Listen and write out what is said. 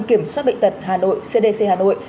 kiểm soát bệnh tật hà nội cdc hà nội